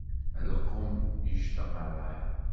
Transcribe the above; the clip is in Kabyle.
Lqum yectaq rraḥa.